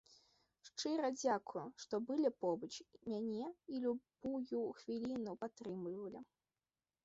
Шчыра дзякую, што былі побач і мяне ў любую хвіліну падтрымлівалі!